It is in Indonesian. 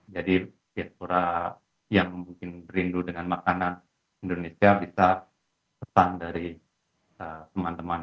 jadi biaspora yang mungkin merindu dengan makanan indonesia bisa pesan dari teman teman